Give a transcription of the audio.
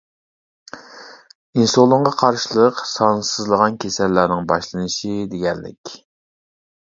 ئىنسۇلىنغا قارشىلىق سانسىزلىغان كېسەللەرنىڭ باشلىنىشى دېگەنلىك.